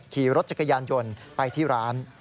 ขี่รถจักรยานยนต์ไปที่ร้าน